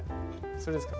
それですか？